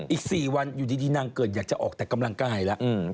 อีก๔วันอยู่ดีนางเกิดอยากจะออกแต่กำลังกายแล้ว